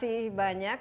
terima kasih banyak